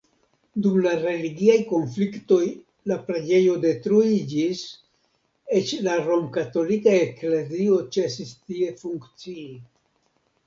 Dum la religiaj konfliktoj la preĝejo detruiĝis, eĉ la romkatolika eklezio ĉesis tie funkcii.